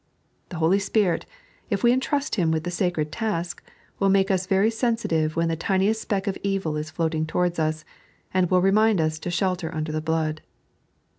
The Holy Spirit, if we entrust Him with the sacred task, will make us very sensitive when the tiniest speck of evil is floating toward us, and will remind us to shelter under the Blood.